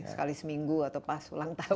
sekali seminggu atau pas ulang tahun